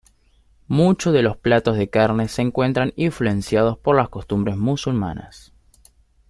Muchos de los platos de carne se encuentran influenciados por las costumbres musulmanas.